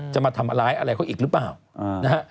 จะมาทำร้ายอะไรเขาอีกหรือเปล่านะฮะ